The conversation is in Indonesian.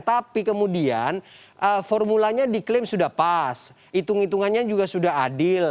tapi kemudian formulanya diklaim sudah pas hitung hitungannya juga sudah adil